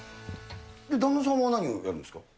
旦那さんは何をやるんですか？